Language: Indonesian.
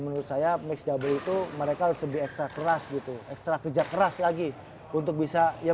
menurut saya mix double itu mereka lebih ekstra keras gitu ekstra kerja keras lagi untuk bisa ya